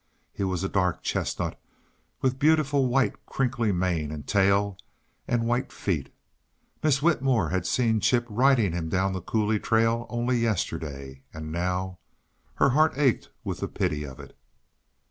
He was a dark chestnut, with beautiful white, crinkly mane and tail and white feet. Miss Whitmore had seen Chip riding him down the coulee trail only yesterday, and now Her heart ached with the pity of it.